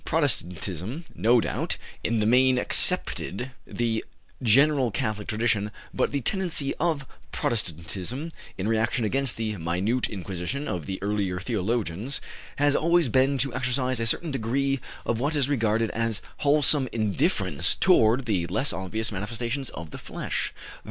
Protestantism, no doubt, in the main accepted the general Catholic, tradition, but the tendency of Protestantism, in reaction against the minute inquisition of the earlier theologians, has always been to exercise a certain degree of what it regarded as wholesome indifference toward the less obvious manifestations of the flesh.